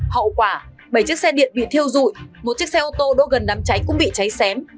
hậu quả bảy chiếc xe điện bị thiêu dụi một chiếc xe ô tô đỗ gần đám cháy cũng bị cháy xém